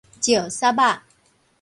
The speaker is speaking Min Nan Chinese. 石屑仔